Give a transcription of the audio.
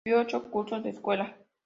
Recibió ocho cursos de escuela.